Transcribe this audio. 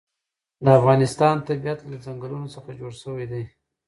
د افغانستان طبیعت له چنګلونه څخه جوړ شوی دی.